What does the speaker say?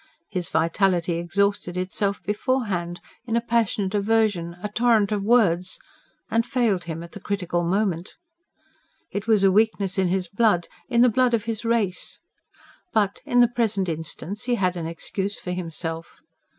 His vitality exhausted itself beforehand in a passionate aversion, a torrent of words and failed him at the critical moment. It was a weakness in his blood in the blood of his race. But in the present instance, he had an excuse for himself.